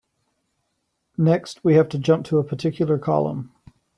Next, we have to jump to a particular column.